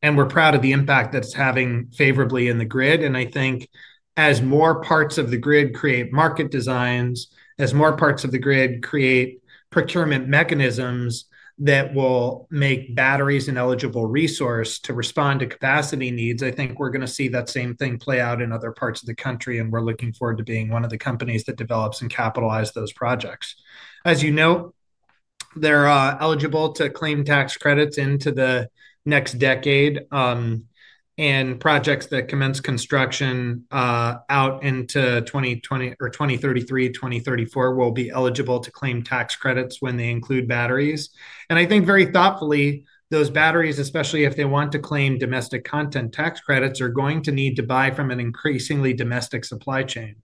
And we're proud of the impact that it's having favorably in the grid. I think as more parts of the grid create market designs, as more parts of the grid create procurement mechanisms that will make batteries an eligible resource to respond to capacity needs, I think we're gonna see that same thing play out in other parts of the country. We're looking forward to being one of the companies that develops and capitalize those projects. As you know, they're eligible to claim tax credits into the next decade. Projects that commence construction out into 2020 or 2033, 2034 will be eligible to claim tax credits when they include batteries. And I think very thoughtfully, those batteries, especially if they want to claim domestic content tax credits, are going to need to buy from an increasingly domestic supply chain.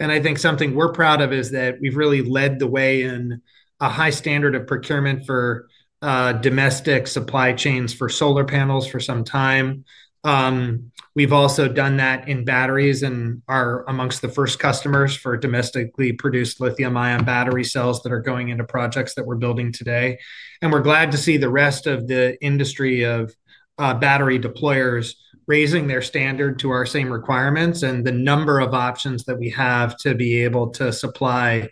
And I think something we're proud of is that we've really led the way in a high standard of procurement for domestic supply chains for solar panels for some time. We've also done that in batteries and are amongst the first customers for domestically produced lithium-ion battery cells that are going into projects that we're building today. And we're glad to see the rest of the industry of battery deployers raising their standard to our same requirements. And the number of options that we have to be able to supply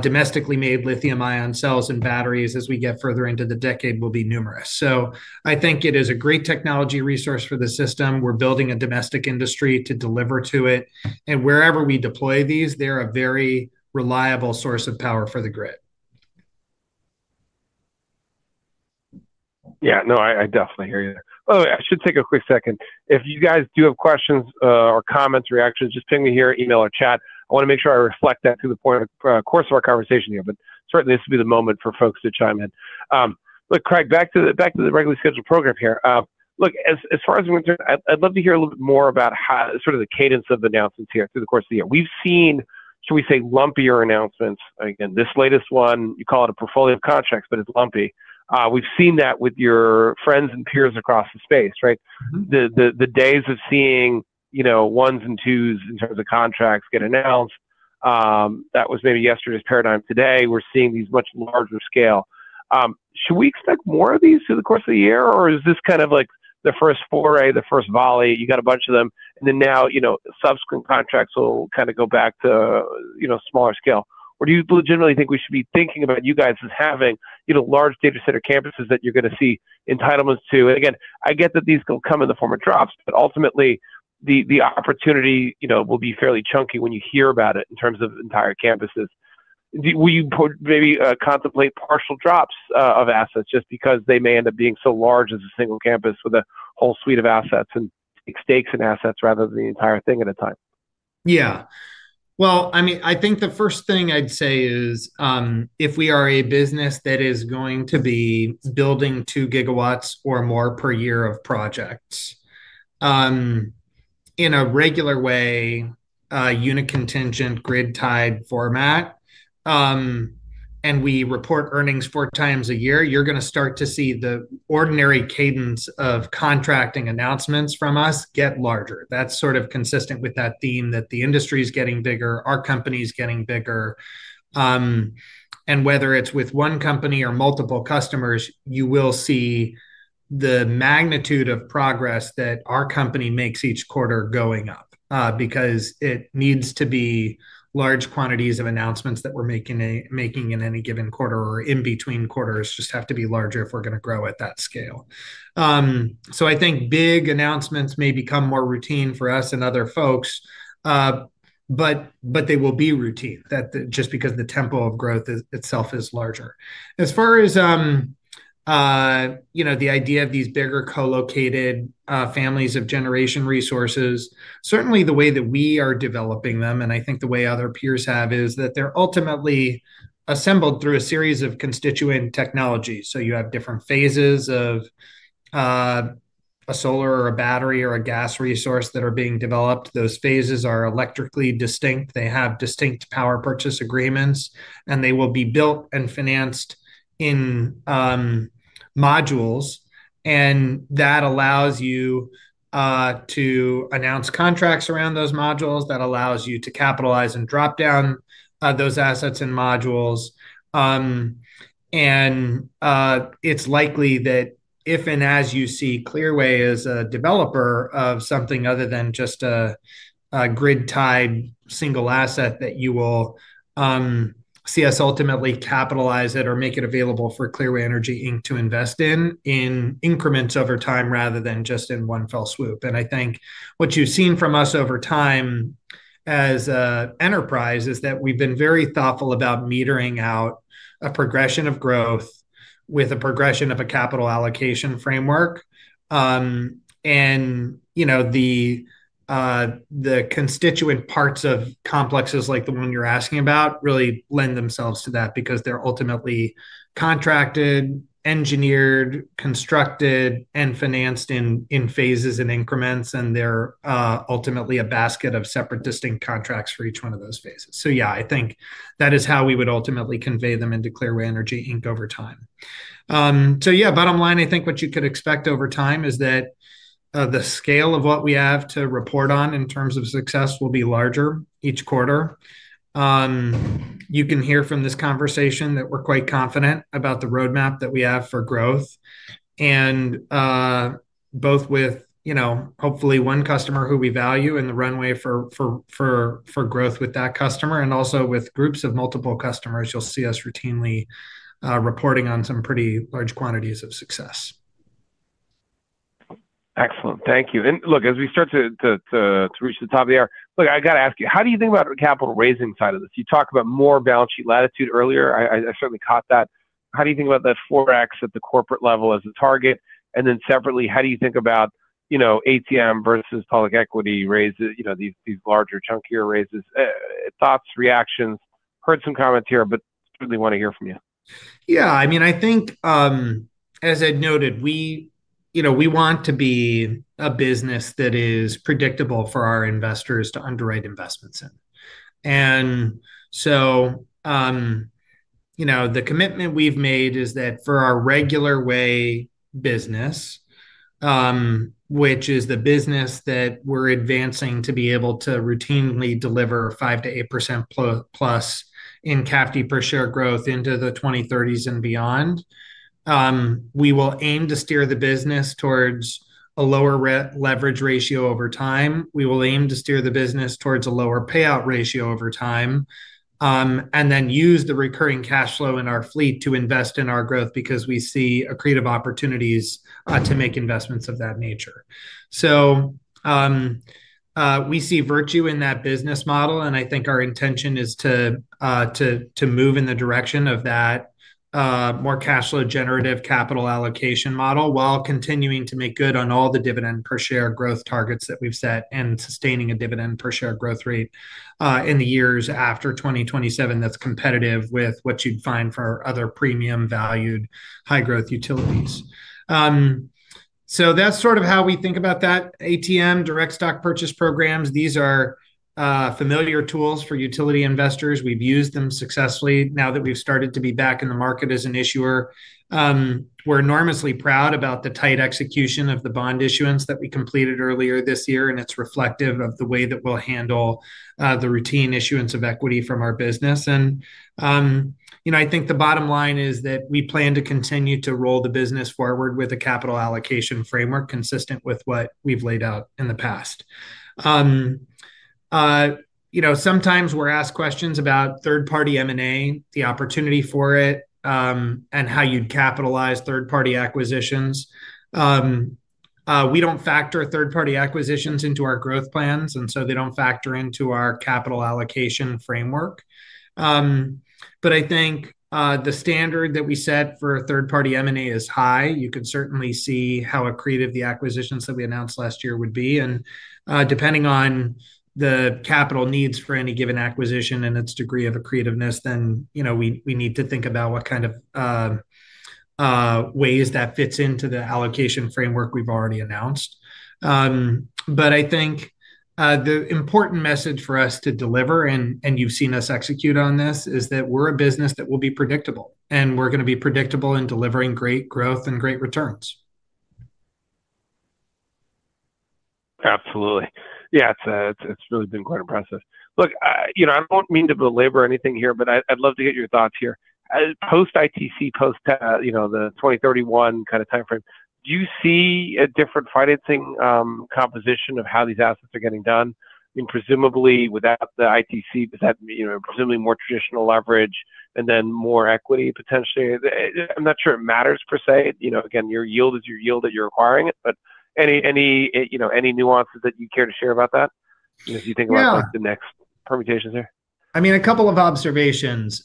domestically made lithium-ion cells and batteries as we get further into the decade will be numerous. So I think it is a great technology resource for the system. We're building a domestic industry to deliver to it. And wherever we deploy these, they're a very reliable source of power for the grid. Yeah. No, I, I definitely hear you. Oh, I should take a quick second. If you guys do have questions, or comments, reactions, just ping me here, email, or chat. I wanna make sure I reflect that through the course of our conversation here, but certainly this would be the moment for folks to chime in. Look, Craig, back to the, back to the regularly scheduled program here. Look, as, as far as we're concerned, I, I'd love to hear a little bit more about how sort of the cadence of announcements here through the course of the year. We've seen, shall we say, lumpier announcements. Again, this latest one, you call it a portfolio of contracts, but it's lumpy. We've seen that with your friends and peers across the space, right? The days of seeing, you know, ones and twos in terms of contracts get announced, that was maybe yesterday's paradigm. Today, we're seeing these much larger scale. Should we expect more of these through the course of the year, or is this kind of like the first foray, the first volley? You got a bunch of them, and then now, you know, subsequent contracts will kind of go back to, you know, smaller scale. Or do you legitimately think we should be thinking about you guys as having, you know, large data center campuses that you're gonna see entitlements to? And again, I get that these will come in the form of drops, but ultimately the opportunity, you know, will be fairly chunky when you hear about it in terms of entire campuses. Will you maybe contemplate partial drops of assets just because they may end up being so large as a single campus with a whole suite of assets and stakes in assets rather than the entire thing at a time? Yeah. Well, I mean, I think the first thing I'd say is, if we are a business that is going to be building 2 GW or more per year of projects, in a regular way, unit contingent grid-tied format, and we report earnings 4 times a year, you're gonna start to see the ordinary cadence of contracting announcements from us get larger. That's sort of consistent with that theme that the industry's getting bigger, our company's getting bigger. And whether it's with one company or multiple customers, you will see the magnitude of progress that our company makes each quarter going up, because it needs to be large quantities of announcements that we're making in any given quarter or in between quarters just have to be larger if we're gonna grow at that scale. So I think big announcements may become more routine for us and other folks, but they will be routine, that just because the tempo of growth itself is larger. As far as, you know, the idea of these bigger co-located families of generation resources, certainly the way that we are developing them, and I think the way other peers have is that they're ultimately assembled through a series of constituent technologies. So you have different phases of a solar or a battery or a gas resource that are being developed. Those phases are electrically distinct. They have distinct power purchase agreements, and they will be built and financed in modules. And that allows you to announce contracts around those modules. That allows you to capitalize and drop down those assets and modules. It's likely that if and as you see Clearway as a developer of something other than just a grid-tied single asset that you will see us ultimately capitalize it or make it available for Clearway Energy, Inc. to invest in in increments over time rather than just in one fell swoop. I think what you've seen from us over time as an enterprise is that we've been very thoughtful about metering out a progression of growth with a progression of a capital allocation framework. You know, the constituent parts of complexes like the one you're asking about really lend themselves to that because they're ultimately contracted, engineered, constructed, and financed in phases and increments. They're ultimately a basket of separate distinct contracts for each one of those phases. So yeah, I think that is how we would ultimately convey them into Clearway Energy, Inc. over time. So yeah, bottom line, I think what you could expect over time is that, the scale of what we have to report on in terms of success will be larger each quarter. You can hear from this conversation that we're quite confident about the roadmap that we have for growth. And, both with, you know, hopefully one customer who we value in the runway for growth with that customer and also with groups of multiple customers, you'll see us routinely, reporting on some pretty large quantities of success. Excellent. Thank you. And look, as we start to reach the top of the hour, look, I gotta ask you, how do you think about the capital raising side of this? You talked about more balance sheet latitude earlier. I certainly caught that. How do you think about the 4x at the corporate level as a target? And then separately, how do you think about, you know, ATM versus public equity raises, you know, these larger chunkier raises? Thoughts, reactions? Heard some comments here, but certainly wanna hear from you. Yeah. I mean, I think, as I'd noted, we, you know, we want to be a business that is predictable for our investors to underwrite investments in. So, you know, the commitment we've made is that for our regular way business, which is the business that we're advancing to be able to routinely deliver 5%-8%+ in CAFD per share growth into the 2030s and beyond, we will aim to steer the business towards a lower leverage ratio over time. We will aim to steer the business towards a lower payout ratio over time, and then use the recurring cash flow in our fleet to invest in our growth because we see great opportunities to make investments of that nature. So, we see virtue in that business model. And I think our intention is to move in the direction of that more cash flow generative capital allocation model while continuing to make good on all the dividend per share growth targets that we've set and sustaining a dividend per share growth rate in the years after 2027 that's competitive with what you'd find for other premium valued high growth utilities. So that's sort of how we think about that. ATM direct stock purchase programs, these are familiar tools for utility investors. We've used them successfully now that we've started to be back in the market as an issuer. We're enormously proud about the tight execution of the bond issuance that we completed earlier this year. And it's reflective of the way that we'll handle the routine issuance of equity from our business. You know, I think the bottom line is that we plan to continue to roll the business forward with a capital allocation framework consistent with what we've laid out in the past. You know, sometimes we're asked questions about third party M&A, the opportunity for it, and how you'd capitalize third party acquisitions. We don't factor third party acquisitions into our growth plans, and so they don't factor into our capital allocation framework. I think, the standard that we set for third party M&A is high. You could certainly see how accretive the acquisitions that we announced last year would be. Depending on the capital needs for any given acquisition and its degree of accretiveness, then, you know, we, we need to think about what kind of, ways that fits into the allocation framework we've already announced. But I think the important message for us to deliver, and you've seen us execute on this, is that we're a business that will be predictable and we're gonna be predictable in delivering great growth and great returns. Absolutely. Yeah. It's really been quite impressive. Look, you know, I don't mean to belabor anything here, but I'd love to get your thoughts here. Post ITC, post, you know, the 2031 kind of timeframe, do you see a different financing composition of how these assets are getting done? I mean, presumably without the ITC, does that, you know, presumably more traditional leverage and then more equity potentially? I'm not sure it matters per se. You know, again, your yield is your yield that you're acquiring it, but any, you know, any nuances that you care to share about that as you think about the next permutations here? I mean, a couple of observations.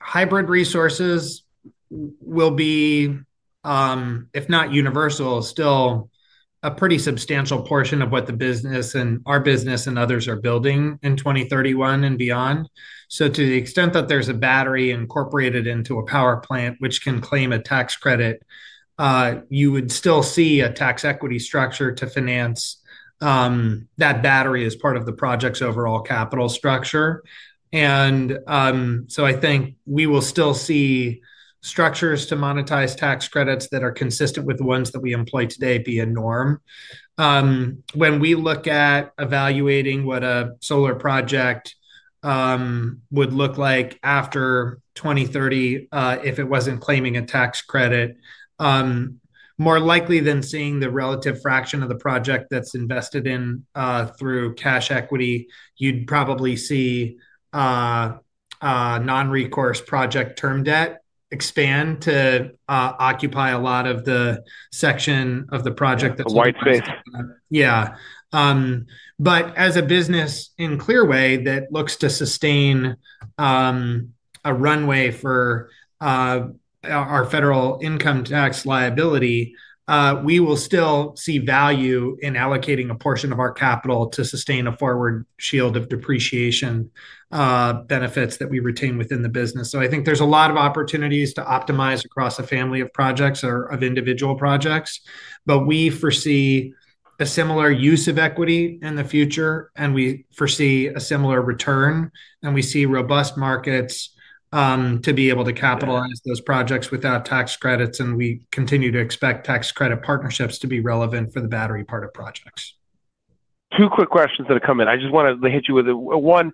Hybrid resources will be, if not universal, still a pretty substantial portion of what the business and our business and others are building in 2031 and beyond. So to the extent that there's a battery incorporated into a power plant, which can claim a tax credit, you would still see a tax equity structure to finance that battery as part of the project's overall capital structure. And so I think we will still see structures to monetize tax credits that are consistent with the ones that we employ today be a norm. When we look at evaluating what a solar project would look like after 2030, if it wasn't claiming a tax credit, more likely than seeing the relative fraction of the project that's invested in through cash equity, you'd probably see non-recourse project term debt expand to occupy a lot of the section of the project that's already expanded. The white space. Yeah. But as a business in Clearway that looks to sustain a runway for our federal income tax liability, we will still see value in allocating a portion of our capital to sustain a forward shield of depreciation benefits that we retain within the business. So I think there's a lot of opportunities to optimize across a family of projects or of individual projects, but we foresee a similar use of equity in the future, and we foresee a similar return, and we see robust markets to be able to capitalize those projects without tax credits. And we continue to expect tax credit partnerships to be relevant for the battery part of projects. Two quick questions that have come in. I just wanna hit you with it. One,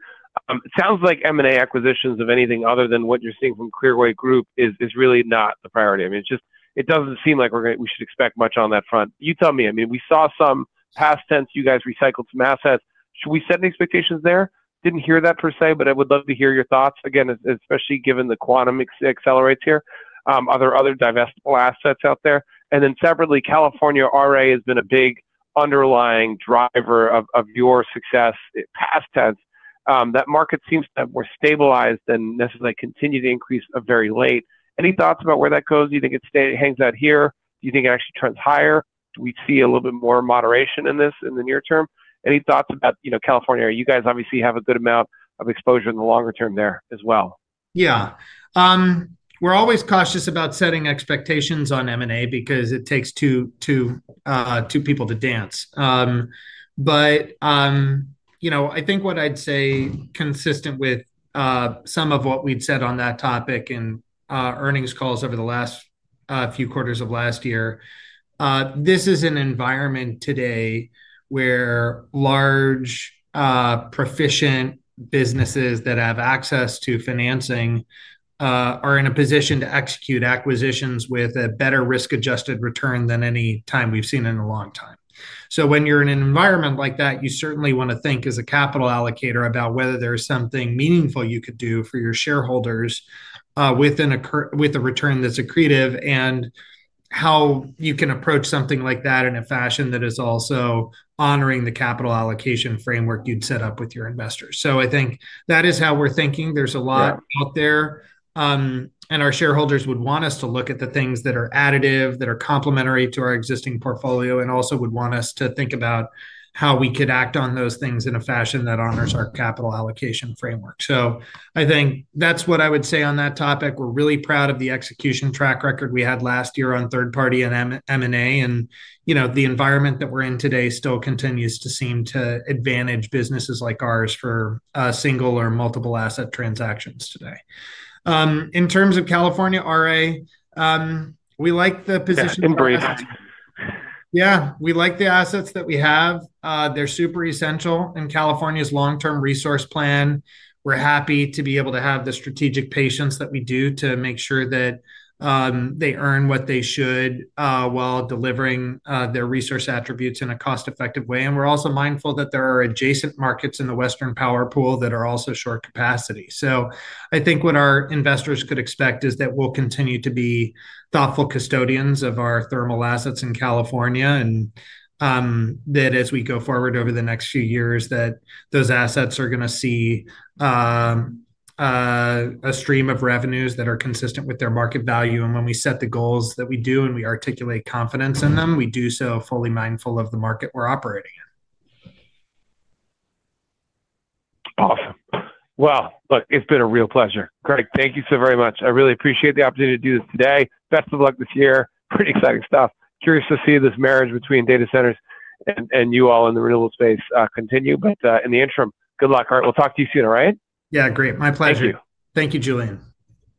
it sounds like M&A acquisitions of anything other than what you're seeing from Clearway Group is, is really not the priority. I mean, it's just, it doesn't seem like we're gonna, we should expect much on that front. You tell me. I mean, we saw some past tense. You guys recycled some assets. Should we set expectations there? Didn't hear that per se, but I would love to hear your thoughts again, especially given the quantum accelerates here. Are there other divestable assets out there? And then separately, California RA has been a big underlying driver of, of your success past tense. That market seems to have more stabilized than necessarily continued to increase very late. Any thoughts about where that goes? Do you think it stays, hangs out here? Do you think it actually turns higher? Do we see a little bit more moderation in this in the near term? Any thoughts about, you know, California? You guys obviously have a good amount of exposure in the longer term there as well. Yeah. We're always cautious about setting expectations on M&A because it takes two, two, two people to dance. But, you know, I think what I'd say consistent with some of what we'd said on that topic in earnings calls over the last few quarters of last year, this is an environment today where large, proficient businesses that have access to financing are in a position to execute acquisitions with a better risk-adjusted return than any time we've seen in a long time. So when you're in an environment like that, you certainly wanna think as a capital allocator about whether there's something meaningful you could do for your shareholders, within a cur, with a return that's accretive and how you can approach something like that in a fashion that is also honoring the capital allocation framework you'd set up with your investors. So I think that is how we're thinking. There's a lot out there, and our shareholders would want us to look at the things that are additive, that are complementary to our existing portfolio, and also would want us to think about how we could act on those things in a fashion that honors our capital allocation framework. So I think that's what I would say on that topic. We're really proud of the execution track record we had last year on third party and M&A. And, you know, the environment that we're in today still continues to seem to advantage businesses like ours for single or multiple asset transactions today. In terms of California RA, we like the position. Yeah. Embrace. Yeah. We like the assets that we have. They're super essential in California's long-term resource plan. We're happy to be able to have the strategic patience that we do to make sure that they earn what they should, while delivering their resource attributes in a cost-effective way. And we're also mindful that there are adjacent markets in the Western Power Pool that are also short capacity. So I think what our investors could expect is that we'll continue to be thoughtful custodians of our thermal assets in California and that as we go forward over the next few years, that those assets are gonna see a stream of revenues that are consistent with their market value. And when we set the goals that we do and we articulate confidence in them, we do so fully mindful of the market we're operating in. Awesome. Well, look, it's been a real pleasure. Craig, thank you so very much. I really appreciate the opportunity to do this today. Best of luck this year. Pretty exciting stuff. Curious to see this marriage between data centers and, and you all in the renewable space, continue. But, in the interim, good luck, Here. We'll talk to you soon, all right? Yeah. Great. My pleasure. Thank you. Thank you, Julien.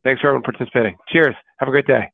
Thanks for everyone participating. Cheers. Have a great day.